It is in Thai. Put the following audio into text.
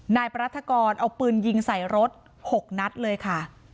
นายปรัฐกรเอาปืนยิงใส่รถ๖นัดเลยค่ะ